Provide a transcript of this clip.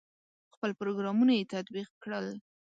خپل پروګرامونه یې تطبیق کړل.